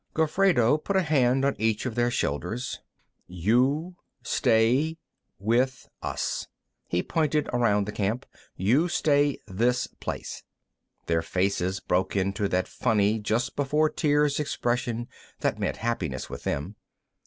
Gofredo put a hand on each of their shoulders. "You ... stay ... with us." He pointed around the camp. "You ... stay ... this ... place." Their faces broke into that funny just before tears expression that meant happiness with them.